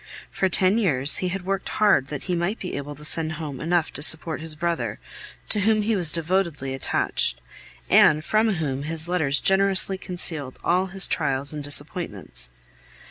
For ten years he had worked hard that he might be able to send home enough to support his brother, to whom he was devotedly attached, and from whom his letters generously concealed all his trials and disappointments.